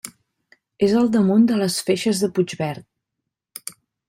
És al damunt de les Feixes de Puigverd.